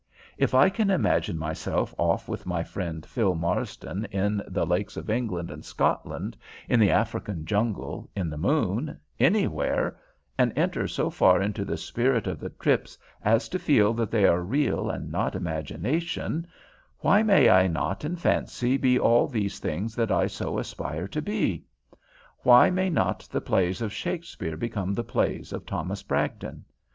If I can imagine myself off with my friend Phil Marsden in the lakes of England and Scotland, in the African jungle, in the moon, anywhere, and enter so far into the spirit of the trips as to feel that they are real and not imagination, why may I not in fancy be all these things that I so aspire to be? Why may not the plays of Shakespeare become the plays of Thomas Bragdon?